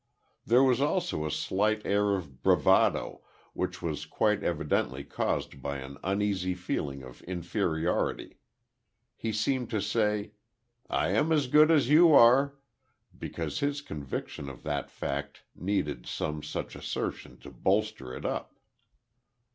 There was also a slight air of bravado, which was quite evidently caused by an uneasy feeling of inferiority. He seemed to say, "I am as good as you are," because his conviction of that fact needed some such assertion to bolster it up.